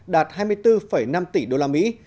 đạt hai mươi bốn năm tỷ usd